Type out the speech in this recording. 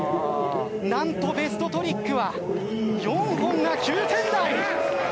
何とベストトリックは４本が９点台！